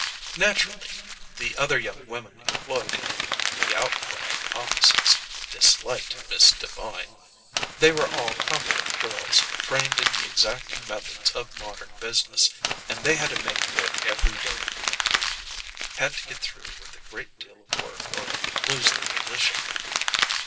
Naturally the other young women employed in "The Outcry" offices disliked Miss Devine. They were all competent girls, trained in the exacting methods of modern business, and they had to make good every day in the week, had to get through with a great deal of work or lose their position.